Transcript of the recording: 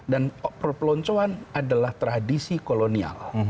dan perpeloncoan adalah tradisi kolonial